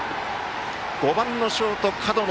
５番のショート、門野。